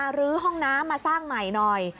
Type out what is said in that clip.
ลื้อห้องน้ำมาสร้างใหม่หน่อย